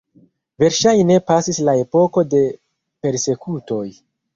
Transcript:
Verŝajne pasis la epoko de persekutoj.